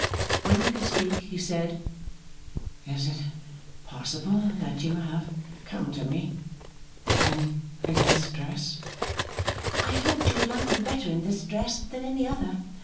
When he could speak, he said, 'Is it possible that you have come to me? And in this dress?' 'I hoped you would like me better in this dress than any other.